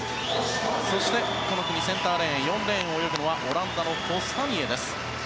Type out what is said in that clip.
そしてセンターレーン４レーンを泳ぐのはオランダのコスタニエです。